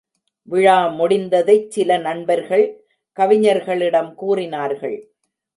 விழா முடிந்ததைச் சில நண்பர்கள் கவிஞர்களிடம் கூறினார்கள்.